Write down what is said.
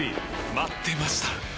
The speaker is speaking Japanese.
待ってました！